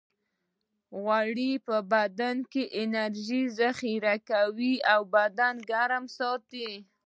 غوړ په بدن کې انرژي ذخیره کوي او بدن ګرم ساتي